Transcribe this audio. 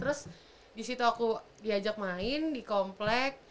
terus disitu aku diajak main di komplek